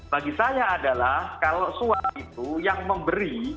bagi saya adalah kalau suap itu yang memberi